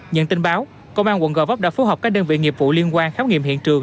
nhận tin báo công an quận gò vấp đã phối hợp các đơn vị nghiệp vụ liên quan khám nghiệm hiện trường